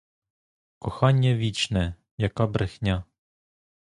Кохання вічне, — яка брехня!